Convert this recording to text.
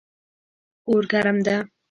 اور ګرم ده